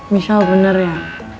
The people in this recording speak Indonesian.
misal bener ya